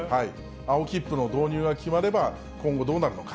青切符の導入が決まれば、今後どうなるのか。